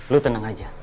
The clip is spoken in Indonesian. lo tenang aja